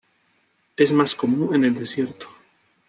Es más común en el desierto.